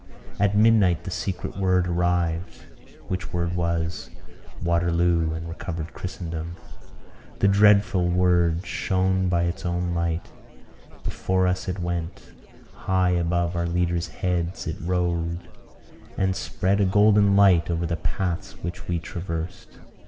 At midnight the secret word arrived; which word was Waterloo and Recovered Christendom! The dreadful word shone by its own light; before us it went; high above our leaders' heads it rode, and spread a golden light over the paths which we traversed.